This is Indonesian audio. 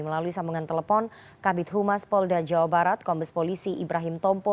melalui sambungan telepon kabit humas polda jawa barat kombes polisi ibrahim tompo